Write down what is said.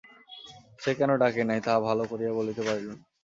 সে কেন ডাকে নাই, তাহা ভাল করিয়া বলিতে পারিল না।